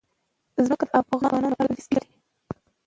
ځمکه د افغان ځوانانو لپاره دلچسپي لري.